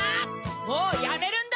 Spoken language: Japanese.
もうやめるんだ！